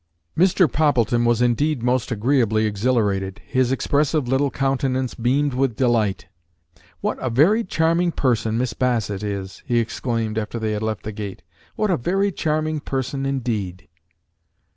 Mr. Poppleton was indeed most agreeably exhilarated. His expressive little countenance beamed with delight. "What a very charming person Miss Bassett is!" he exclaimed, after they had left the gate. "What a very charming person indeed!"